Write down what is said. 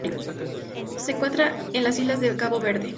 Se encuentra en las islas de Cabo Verde.